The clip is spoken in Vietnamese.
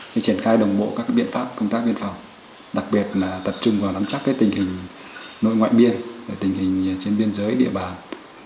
để triển khai đồng bộ các biện pháp công tác biên phòng đặc biệt là tập trung vào nắm chắc tình hình nội ngoại biên tình hình trên biên giới địa bàn